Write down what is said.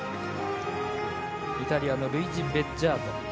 イタリアのルイジ・ベッジャート。